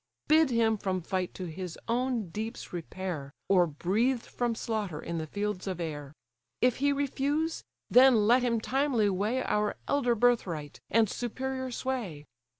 Bid him from fight to his own deeps repair, Or breathe from slaughter in the fields of air. If he refuse, then let him timely weigh Our elder birthright, and superior sway.